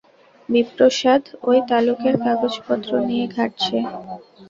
বিপ্রদাস ঐ তালুকের কাগজপত্র নিয়ে ঘাঁটছে।